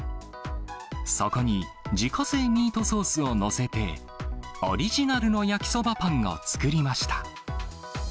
そこに、自家製ミートソースを載せて、オリジナルの焼きそばパンを作りました。